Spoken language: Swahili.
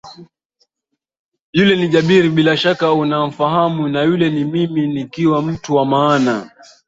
yule ni Jabir bila shaka unamfahamu na yule ni mimi nikiwa mtu wa maana